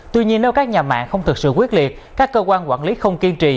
tuy nhiên nếu các nhà mạng không thực sự quyết liệt các cơ quan quản lý không kiên trì